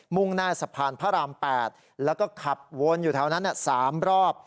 ่งหน้าสะพานพระราม๘แล้วก็ขับวนอยู่แถวนั้น๓รอบ